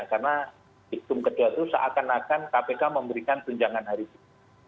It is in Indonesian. karena hukum kedua itu seakan akan kpk memberikan tunjangan hari ini